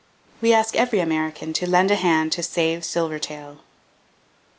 We ask every American to lend a hand to save Silver Tail.